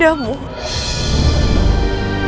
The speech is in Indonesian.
sebagai pembawa ke dunia